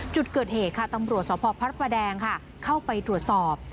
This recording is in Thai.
จุดเกิดเหตุค่ะตำรวจสพพระประแดงค่ะเข้าไปตรวจสอบ